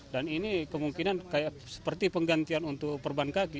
dan ini kemungkinan seperti penggantian untuk perban kaki